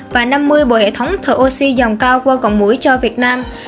và năm mươi bộ hệ thống thở oxy dòng cao qua còn mũi cho việt nam